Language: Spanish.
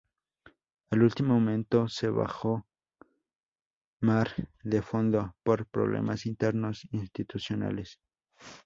A último momento se bajó Mar de Fondo por problemas internos institucionales.